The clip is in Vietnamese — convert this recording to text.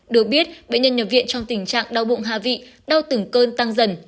được biết bệnh nhân nhập viện trong tình trạng đau bụng hạ vị đau từng cơn tăng dần